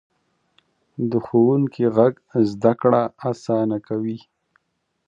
د ښوونکي غږ زده کړه اسانه کوي.